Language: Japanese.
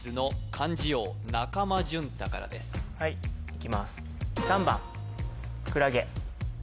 中間淳太からですはいいきます